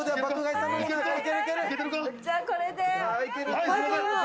じゃあこれで。